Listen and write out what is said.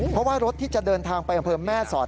เพราะว่ารถที่จะเดินทางไปอำเภอแม่สอด